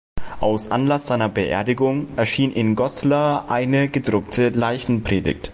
Aus Anlass seiner Beerdigung erschien in Goslar eine gedruckte Leichenpredigt.